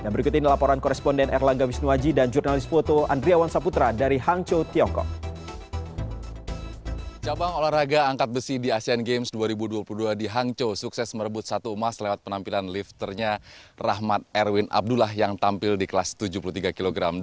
berikut ini laporan koresponden erlangga wisnuwaji dan jurnalis foto andriawan saputra dari hangzhou tiongkok